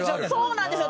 そうなんですよ。